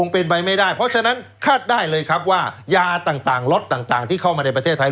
เพราะฉะนั้นคาดได้เลยครับว่ายาต่างร็อตต่างที่เข้ามาในประเทศไทย